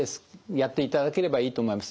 やっていただければいいと思います。